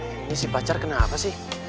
ini si pacar kenapa sih